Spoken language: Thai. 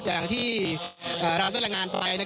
อย่างที่เราได้รายงานไป